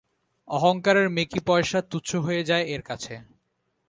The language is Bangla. অহংকারের মেকি পয়সা তুচ্ছ হয়ে যায় এর কাছে।